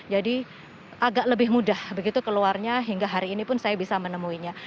jadi agak lebih mudah begitu keluarnya hingga hari ini pun saya bisa menemuinya